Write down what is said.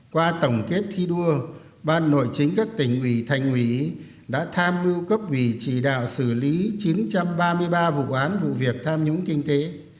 qua tổng kết thi đua ban nội chính các tỉnh ủy thành ủy đã tham mưu cấp ủy chỉ đạo xử lý chín trăm ba mươi ba vụ án vụ việc tham nhũng kinh tế